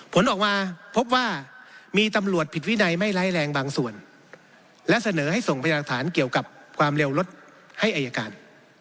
ผลออกมาพบว่ามีตำรวจผิดวินัยไม่ไร้แรงบางส่วนและเสนอให้ส่งพยากฐานเกี่ยวกับความเร็วรถให้อายการ